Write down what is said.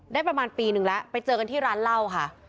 ได้ประมาณปีนึงแล้วไปเจอกันที่ร้านเหล้าค่ะ